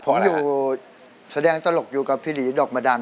ผมอยู่แสดงตลกอยู่กับพี่หลีดอกมะดัน